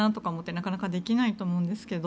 なかなかできないと思うんですけど。